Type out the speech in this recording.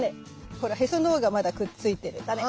ほらへその緒がまだくっついてるタネ。